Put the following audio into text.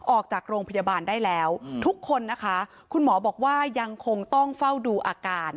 ออกจากโรงพยาบาลได้แล้วทุกคนนะคะคุณหมอบอกว่ายังคงต้องเฝ้าดูอาการ